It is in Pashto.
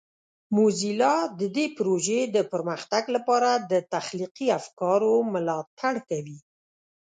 موزیلا د دې پروژې د پرمختګ لپاره د تخلیقي افکارو ملاتړ کوي.